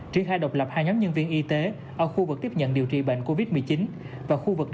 triển khai độc lập hai nhóm nhân viên y tế ở khu vực tiếp nhận điều trị bệnh covid một mươi chín và khu vực